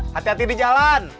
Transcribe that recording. hati hati di jalan